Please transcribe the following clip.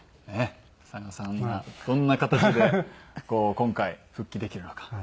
佐賀さんがどんな形で今回復帰できるのか。